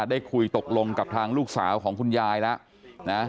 ได้คุยตกลงกับทางลูกสาวของคุณยายแล้วนะ